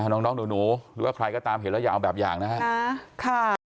น้องหนูหรือว่าใครก็ตามเห็นแล้วอย่าเอาแบบอย่างนะครับ